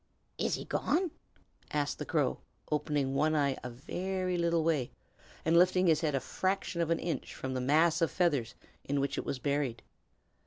"Is he gone?" asked the crow, opening one eye a very little way, and lifting his head a fraction of an inch from the mass of feathers in which it was buried.